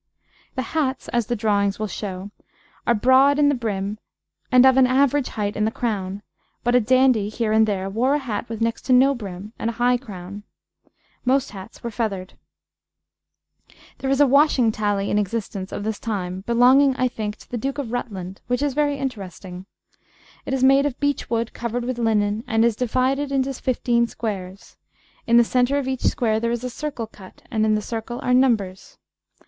The hats, as the drawings will show, are broad in the brim and of an average height in the crown, but a dandy, here and there, wore a hat with next to no brim and a high crown. Most hats were feathered. There is a washing tally in existence of this time belonging, I think, to the Duke of Rutland, which is very interesting. It is made of beech wood covered with linen, and is divided into fifteen squares. In the centre of each square there is a circle cut, and in the circle are numbers.